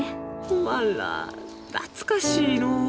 おまんら懐かしいのう。